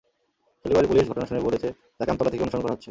খিলগাঁওয়ের police ঘটনা শুনে বলেছে, তাঁকে আমতলা থেকে অনুসরণ করা হচ্ছে।